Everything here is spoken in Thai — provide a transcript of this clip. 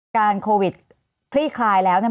การโควิดคลี่คลายแล้วเนี่ย